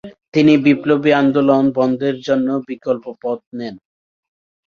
তিনি বিপ্লবী আন্দোলন বন্ধের জন্য বিকল্প পথ নেন।